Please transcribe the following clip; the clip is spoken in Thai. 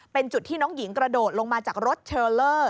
เป็นจุดที่น้องหญิงกระโดดลงมาจากรถเทลเลอร์